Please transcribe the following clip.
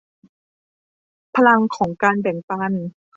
พลังของการแบ่งปัน